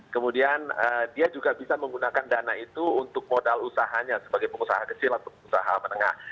kemudian dia juga bisa menggunakan dana itu untuk modal usahanya sebagai pengusaha kecil atau pengusaha menengah